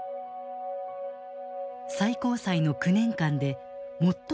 最高裁の９年間で最も長い期間